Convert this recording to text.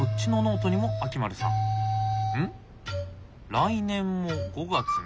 「来年も５月３日」。